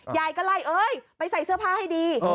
ยายก็ไล่เอ้ยไปใส่เสื้อผ้าให้ดี